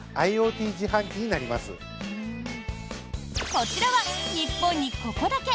こちらは、日本にここだけ！